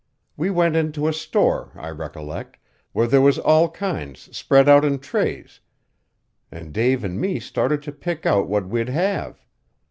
We went into a store, I recollect, where there was all kinds spread out in trays, an' Dave an' me started to pick out what we'd have.